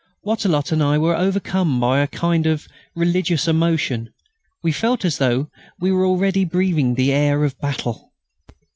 Wattrelot and I were overcome by a kind of religious emotion; we felt as though we were already breathing the air of battle.